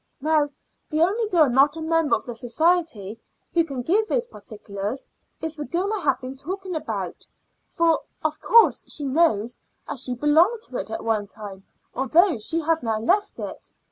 Now the only girl not a member of the society who can give those particulars is the girl I have been talking about; for, of course, she knows, as she belonged to it at one time although she has now left it.